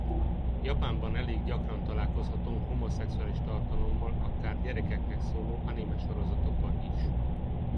Japánban elég gyakran találkozhatunk homoszexuális tartalommal akár gyerekeknek szóló anime sorozatokban is.